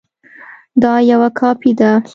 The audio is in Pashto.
دا یوه کاپي ده